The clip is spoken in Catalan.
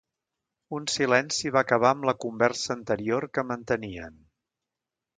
Un silenci va acabar amb la conversa anterior que mantenien.